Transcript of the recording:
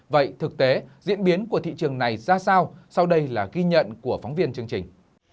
vậy thực tế diễn biến của thị trường này ra sao sau đây là ghi nhận của phóng viên chương trình